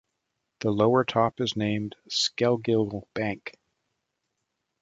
The lower top is named Skelgill Bank.